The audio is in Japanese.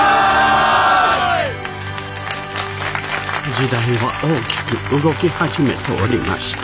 時代は大きく動き始めておりました。